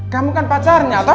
kamu kan pacarnya atau